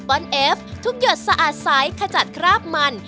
บุกเข้าไปก่อนนะไม่เห็น